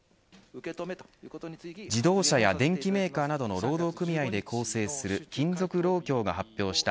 自動車や電機メーカーなどの労働組合で構成する金属労協と発表した。